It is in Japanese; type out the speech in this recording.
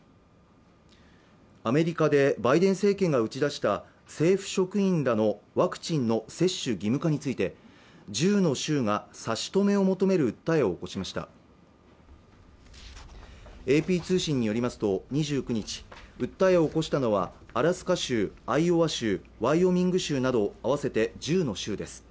アメリカでバイデン政権が打ち出した政府職員等のワクチンの接種義務化について１０の州が差し止めを求める訴えを起こしましたＡＰ通信によりますと２９日訴えを起こしたのはアラスカ州アイオワ州、ワイオミング州など合わせて１０の州です